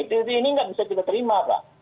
tv ini nggak bisa kita terima pak